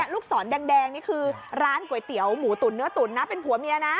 ลูกศรแดงนี่คือร้านก๋วยเตี๋ยวหมูตุ๋นเนื้อตุ๋นนะเป็นผัวเมียนะ